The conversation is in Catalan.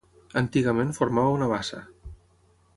Antigament formava una bassa.